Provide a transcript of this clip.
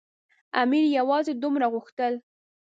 امیر یوازې دومره غوښتل.